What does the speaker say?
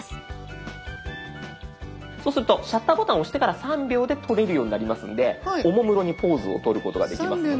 そうするとシャッターボタンを押してから３秒で撮れるようになりますのでおもむろにポーズをとることができますので。